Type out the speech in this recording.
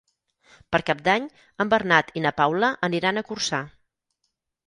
Per Cap d'Any en Bernat i na Paula aniran a Corçà.